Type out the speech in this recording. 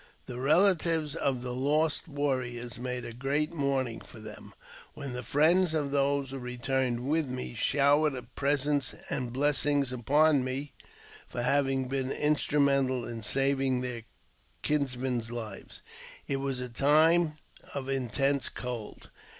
The relatives of the lost ivarriors made a great mourning for them, while the friends of ihose who returned with me showered presents and blessings ipon me for having been instrumental in saving their kins nen's Hves. It was a time of intense cold.